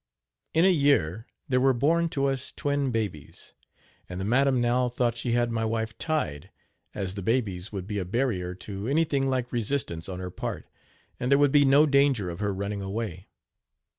In a year there were born to us twin babies; and the madam now thought she had my wife tied, as the babies would be a barrier to anything like resistance on her part, and there would be no danger of her running away.